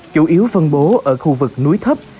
chủ yếu phân bố ở khu vực núi thấp